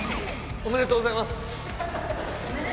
おめでとうございます？